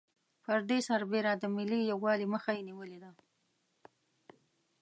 پر دې سربېره د ملي یوالي مخه یې نېولې ده.